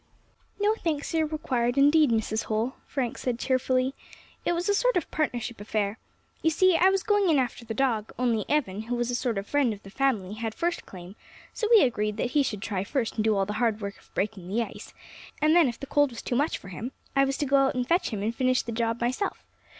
"No thanks are required indeed, Mrs. Holl," Frank said cheerfully, "it was a sort of partnership affair. You see I was going in after the dog, only Evan, who was a sort of friend of the family, had first claim; so we agreed that he should try first and do all the hard work of breaking the ice, and then, if the cold was too much for him, I was to go out and fetch him in and finish the job myself.